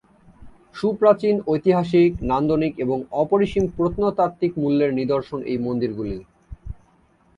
সুপ্রাচীন-ঐতিহাসিক, নান্দনিক এবং অপরিসীম প্রত্নতাত্ত্বিক মূল্যের নিদর্শন এই মন্দিরগুলি।